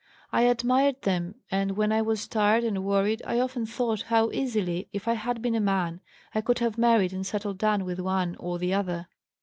I admired them and when I was tired and worried I often thought how easily, if I had been a man, I could have married and settled down with one or the other.